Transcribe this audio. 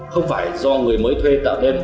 không phải do người mới thuê tạo nên